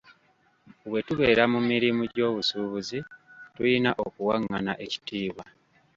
Bwe tubeera mu mirimu gy'obusuubuzi tuyina okuwangana ekitiibwa.